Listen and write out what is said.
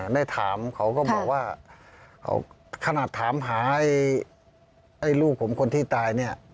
ได้ถามเขาก็บอกว่าขนาดถามหาลูกผมคนที่ตายเนี่ย